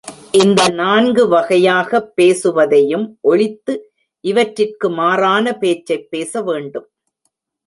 இந்த நான்கு வகையாகப் பேசுவதையும் ஒழித்து இவற்றிற்கு மாறான பேச்சைப் பேச வேண்டும்.